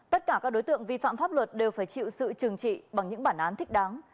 tất cả các đối tượng vi phạm pháp luật đều phải chịu sự trừng trị bằng những bản án thích đáng